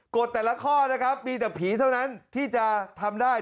กฎแต่ละข้อนะครับมีแต่ผีเท่านั้นที่จะทำได้